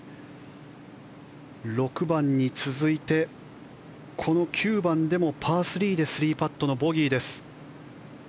６番に続いて９番でもパー３で３パットのボギーです。